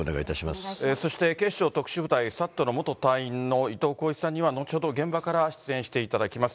そして警視庁特殊部隊ＳＡＴの元隊員の伊藤綱一さんには後ほど現場から出演していただきます。